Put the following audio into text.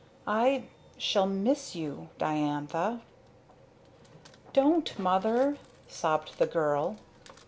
I shall miss you Diantha!" "Don't, Mother!" sobbed the girl.